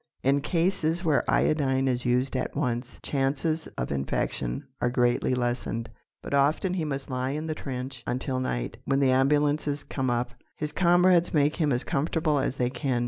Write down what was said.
In cases where iodine is used at once, chances of infection are greatly lessened. But often he must lie in the trench until night, when the ambulances come up. His comrades make him as comfortable as they can.